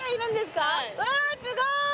うわすごい。